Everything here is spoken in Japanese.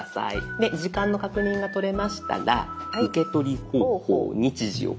で時間の確認がとれましたら「受け取り方法・日時を決定」